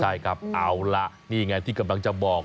ใช่ครับเอาล่ะนี่ไงที่กำลังจะบอก